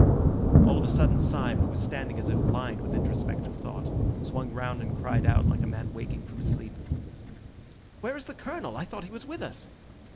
All of a sudden Syme, who was standing as if blind with introspective thought, swung round and cried out, like a man waking from sleep— "Where is the Colonel? I thought he was with us!"